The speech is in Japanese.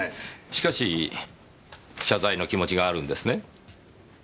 しかし謝罪の気持ちがあるのですね？